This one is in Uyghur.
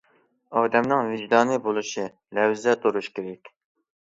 ئادەمنىڭ ۋىجدانى بولۇشى، لەۋزىدە تۇرۇشى كېرەك.